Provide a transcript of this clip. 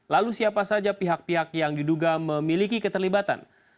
lalu siapa saja pihak pihak yang diduga memiliki keterlibatan